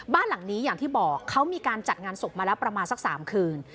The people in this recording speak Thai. บ้านหลังนี้อย่างที่บอกเขามีการจัดงานศพมาแล้วประมาณสัก๓คืน